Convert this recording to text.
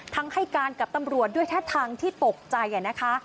ทั้งให้การกับตำรวจด้วยแททักทางที่ตกใจแหละนะคะ